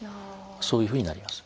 そういうふうになります。